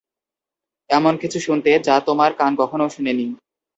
এমন কিছু শুনতে, যা তোমার কান কখনো শুনেনি।